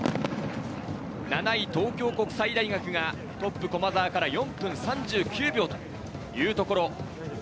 ７位、東京国際大学がトップ駒澤から４分３９秒。